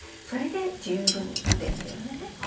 それで十分ですよね。